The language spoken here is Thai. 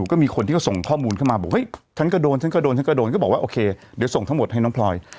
ก็บอกว่าโอเคเดี๋ยวส่งทั้งหมดให้น้องพลอย